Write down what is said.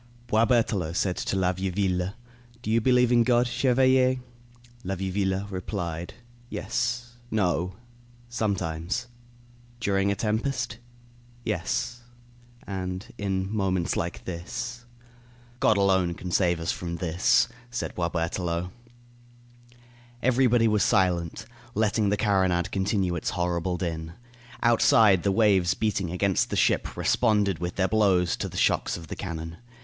Boisberthelot said to La Vieuville: "Do you believe in God, chevalier?" La Vieuville replied: "Yes no. Sometimes." "During a tempest?" "Yes, and in moments like this." "God alone can save us from this," said Boisberthelot. Everybody was silent, letting the carronade continue its horrible din. Outside, the waves beating against the ship responded with their blows to the shocks of the cannon.